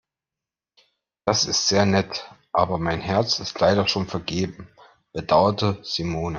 Das ist sehr nett, aber mein Herz ist leider schon vergeben, bedauerte Simone.